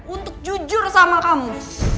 untuk jujur sama kamu